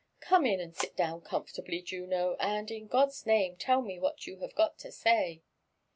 ''Gome in, and sit down comfortably, Ju^o; and, in fiod's name, tell me what you have got to say."